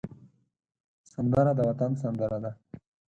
سندره د وطن سندره ده